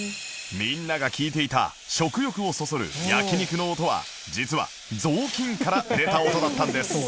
みんなが聞いていた食欲をそそる焼肉の音は実は雑巾から出た音だったんです